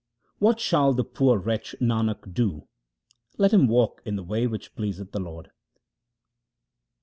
What shall the poor wretch Nanak do ? Let him walk in the way which pleaseth the Lord.